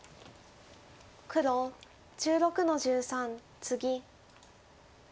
黒１６の十三ツギ。